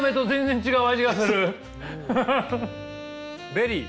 ベリー。